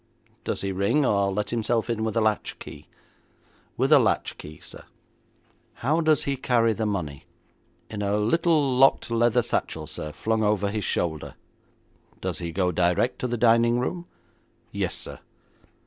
'Does he ring, or let himself in with a latchkey?' 'With a latchkey, sir.' 'How does he carry the money?' 'In a little locked leather satchel, sir, flung over his shoulder.' 'Does he go direct to the dining room?' 'Yes, sir.'